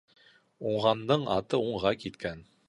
Уңғандың аты уңға киткән.